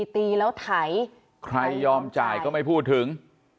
ตีแล้วไถใครยอมจ่ายก็ไม่พูดถึง